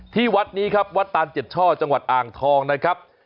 ที่วัดนี้ครับวัดตานเจ็ดช่อจังหวัดอ่างทองนะครับ